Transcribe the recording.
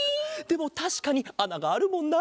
でもたしかにあながあるもんな。